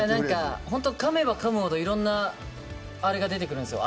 かめばかむほどいろんなあれが出てくるんですよ